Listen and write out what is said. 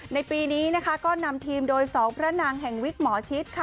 ในปีนี้นะคะก็นำทีมโดย๒พระนางแห่งวิกหมอชิดค่ะ